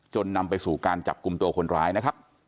นำไปสู่การจับกลุ่มตัวคนร้ายนะครับ